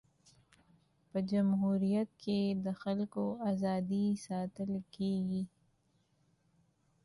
په جمهوریت کي د خلکو ازادي ساتل کيږي.